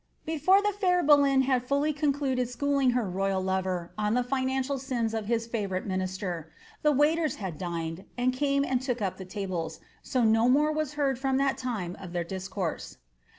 '" Before the fair Boleyn had fully concluded schooling her royal lover on the financial sins of his fiivourite minister, ^ the waiters had dined, and came and took up the tables, so no more was heard for that time of their discourse."